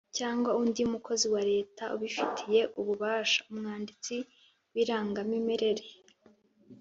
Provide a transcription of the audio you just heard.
cyangwa undi mukozi wa leta ubifitiye ububasha (umwanditsi w’irangamimerere).